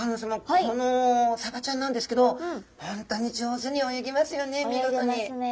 このサバちゃんなんですけど本当に上手に泳ぎますよね